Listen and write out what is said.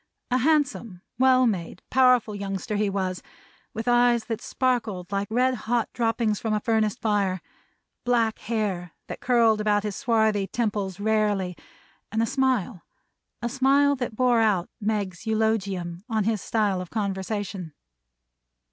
A handsome, well made, powerful youngster he was; with eyes that sparkled like the red hot droppings from a furnace fire; black hair that curled about his swarthy temples rarely; and a smile a smile that bore out Meg's eulogium on his style of conversation.